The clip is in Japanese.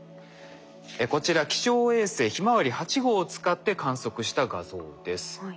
こちら気象衛星ひまわり８号を使って観測した画像です。